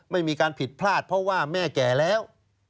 ไม่มีการผิดพลาดเพราะว่าแม่แก่แล้ว